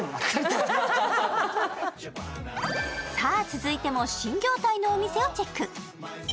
続いても新業態のお店をチェック。